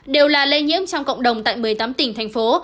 đều là lây nhiễm trong cộng đồng tại một mươi tám tỉnh thành phố